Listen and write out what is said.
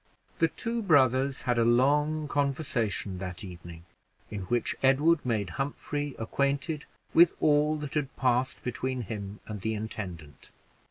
The two brothers had a long conversation that evening, in which Edward made Humphrey acquainted with all that had passed between him and the intendant.